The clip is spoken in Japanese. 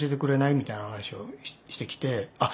みたいな話をしてきてあっ